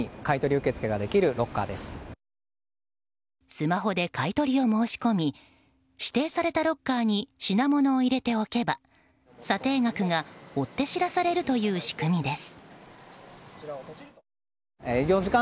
スマホで買い取りを申し込み指定されたロッカーに品物を入れておけば査定額が追って知らされるという仕組みです。